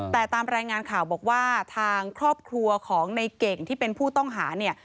แต่ตามรายงานข่าวบอกว่าทางครอบครัวของในเก่งที่เป็นผู้ต้องหาเนี่ย